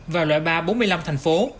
và loại ba bốn mươi năm thành phố